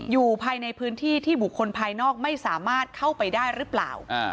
อยู่ภายในพื้นที่ที่บุคคลภายนอกไม่สามารถเข้าไปได้หรือเปล่า